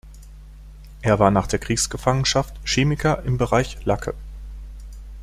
Er war nach der Kriegsgefangenschaft Chemiker im Bereich Lacke.